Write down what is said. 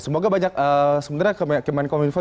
semoga banyak sebenarnya kemenkomunifo